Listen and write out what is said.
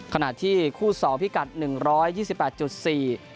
ขณะที่คู่สองพิกัดหนึ่งร้อยยี่สิบแปดจุดสี่